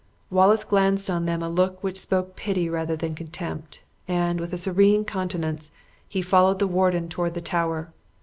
Wallace glanced on them a look which spoke pity rather than contempt, and, with a serene countenance, he followed the warden toward the Tower.